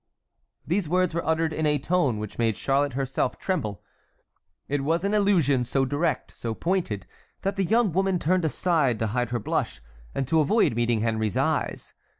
These words were uttered in a tone which made Charlotte herself tremble. It was an allusion so direct, so pointed, that the young woman turned aside to hide her blush, and to avoid meeting Henry's eyes.